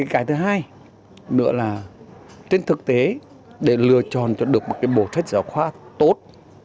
cái thứ hai nữa là trên thực tế để lựa chọn được một bộ sách giáo khoa tốt